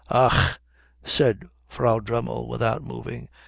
"Ach," said Frau Dremmel, without moving.